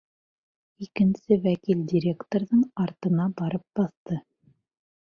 Икенсе вәкил директорҙың артына барып баҫты.